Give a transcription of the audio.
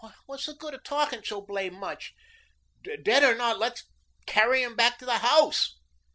"What's the good of talking so blame much. Dead or not, let's carry him back to the house."